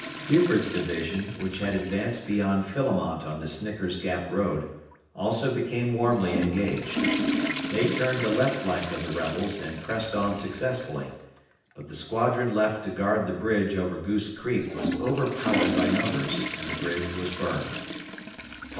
Buford's division, which had advanced beyond Philemont on the Snicker's Gap road, also became warmly engaged. They turned the left flank of the rebels and pressed on successfully, but the squadron left to guard the bridge over Goose Creek was overpowered by numbers and the bridge was burned.